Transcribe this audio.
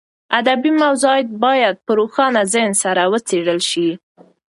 ادبي موضوعات باید په روښانه ذهن سره وڅېړل شي.